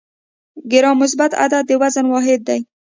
ګرام مثبت عدد د وزن واحد دی.